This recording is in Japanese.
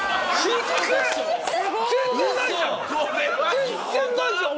全然ないじゃん！